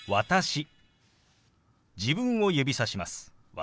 「私」